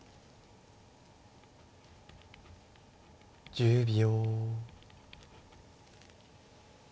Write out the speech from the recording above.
１０秒。